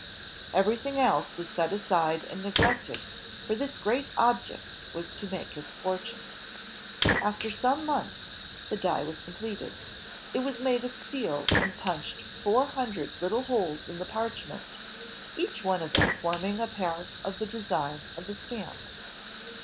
Everything else was set aside and neglected, for this great object was to make his fortune. After some months, the die was completed. It was made of steel, and punched four hundred Uttle holes in the parchment, each one of them forming a part of the design of the stamp.